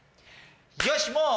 よしもう。